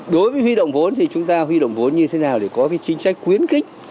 đối với huy động vốn thì chúng ta huy động vốn như thế nào để có cái chính trách quyến kích